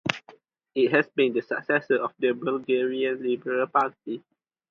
It has been the successor of the Bulgarian Liberal Party.